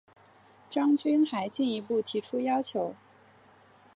张军还进一步提出要求